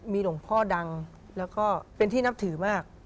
มีหลวงพ่อดังแล้วก็เป็นที่นับถือมาก